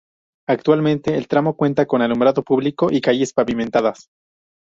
Actualmente el tramo cuenta con alumbrado público y calles pavimentadas.